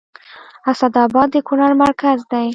اسداباد د کونړ مرکز دی